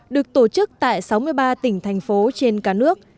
được tổ chức tại sáu mươi ba tỉnh thành phố trên cả nước